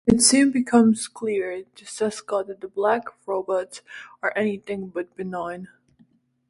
It soon becomes clear to Cesca that the black robots are anything but benign.